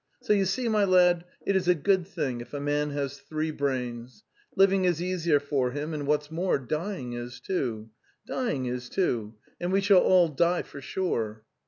So you see, my lad, it is a good thing if a man has three brains. Living is easier for him, and, what's more, dying is, too. Dying is, too. ... And we shall all die for sure."